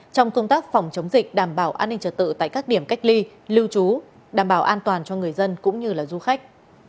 trong công tác phòng chống dịch đảm bảo an ninh trật tự tại các điểm cách ly lưu trú đảm bảo an toàn cho người dân cũng như du khách